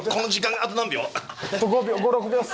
あと５６秒です。